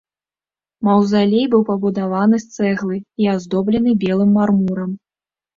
Маўзалей быў пабудаваны з цэглы і аздоблены белым мармурам.